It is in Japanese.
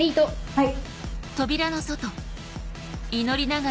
はい。